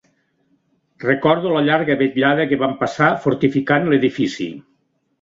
Recordo la llarga vetllada que vam passar fortificant l'edifici